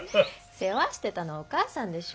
世話してたのはお母さんでしょ。